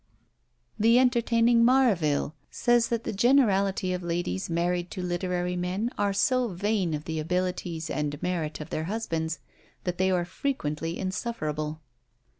The entertaining Marville says that the generality of ladies married to literary men are so vain of the abilities and merit of their husbands, that they are frequently insufferable.